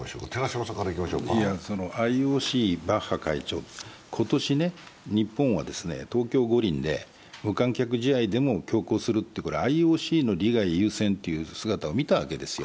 ＩＯＣ、バッハ会長、今年、日本は東京五輪で無観客試合でも強行するというぐらいＩＯＣの利害優先という姿を見たわけですよ。